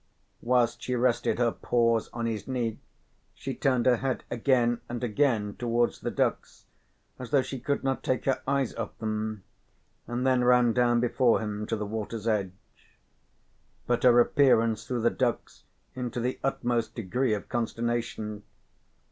Whilst she rested her paws on his knee she turned her head again and again towards the ducks as though she could not take her eyes off them, and then ran down before him to the water's edge. But her appearance threw the ducks into the utmost degree of consternation.